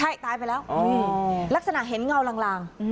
ใช่ตายไปแล้วลักษณะเห็นเงาลาง